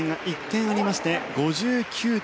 １点ありまして５９．５０。